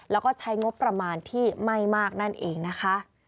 แล้วก็ใช้งบประมาณที่ไม่มากนั่นเองนะคะ